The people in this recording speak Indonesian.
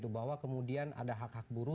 bahwa kemudian ada hak hak buruh